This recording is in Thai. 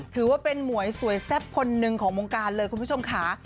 ถือว่าเป็นหมวยสวยแซ่บคนหนึ่งของวงการเลยคุณผู้ชมค่ะ